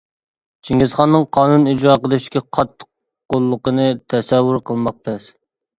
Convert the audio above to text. چىڭگىزخاننىڭ قانۇن ئىجرا قىلىشتىكى قاتتىق قوللۇقىنى تەسەۋۋۇر قىلماق تەس.